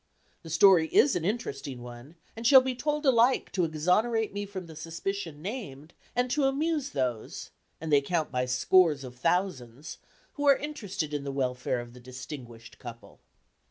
The story is an interesting one, and shall be told alike to exonerate me from the suspicion named, and to amuse those and they count by scores of thousands who are interested in the welfare of the distinguished couple.